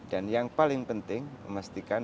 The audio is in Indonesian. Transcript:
dan yang paling penting memastikan